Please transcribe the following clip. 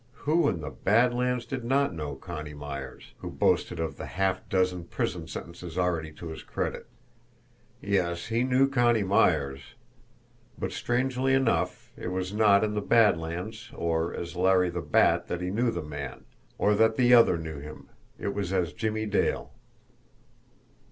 Who in the Bad Lands did not know Connie Myers, who boasted of the half dozen prison sentences already to his credit? Yes; he knew Connie Myers! But, strangely enough, it was not in the Bad Lands or as Larry the Bat that he knew the man, or that the other knew him it was as Jimmie Dale.